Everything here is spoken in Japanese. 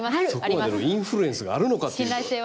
そこまでのインフルエンスがあるのかという。